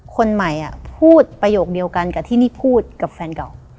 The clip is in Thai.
คนใหม่พูดประโยคเดียวกันกับที่นี่พูดกับแฟนเก่า